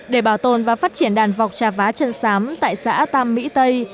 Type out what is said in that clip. để bảo tồn và phát triển đàn vọc trà vá chân sám tại xã tam mỹ tây